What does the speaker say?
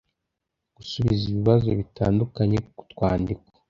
-gusubiza ibibazo bitandukanye ku twandiko